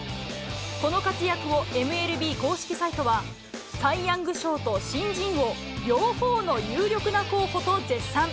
この活躍をＭＬＢ公式サイトは、サイ・ヤング賞と新人王、両方の有力な候補と絶賛。